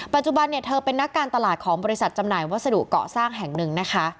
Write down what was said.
ปัจจุบันเนี่ยเธอเป็นนักการตลาดของบริษัทจำหน่ายวัสดุเกาะสร้างแห่งหนึ่งนะคะ